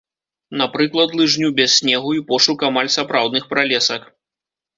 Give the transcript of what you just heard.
Напрыклад, лыжню без снегу і пошук амаль сапраўдных пралесак.